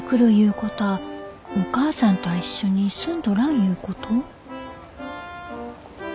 こたあお母さんたあ一緒に住んどらんいうこと？